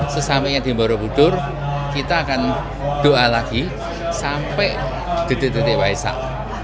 sesampainya di mendut budur kita akan doa lagi sampai di titik titik waisak